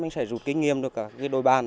mình sẽ rút kinh nghiệm được cả cái đội bàn